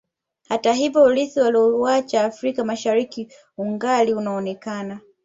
Hata hivyo urithi waliouacha Afrika Mashariki ungali unaonekana